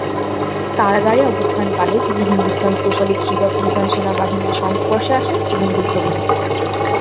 কারাগারে অবস্থানকালে তিনি হিন্দুস্তান সোশ্যালিস্ট রিপাবলিকান সেনাবাহিনীর সংস্পর্শে আসেন এবং বিপ্লবী হন।